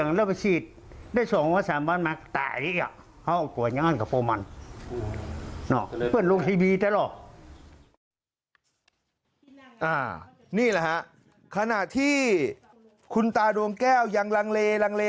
นี่แหละฮะขณะที่คุณตาดวงแก้วยังลังเลลังเล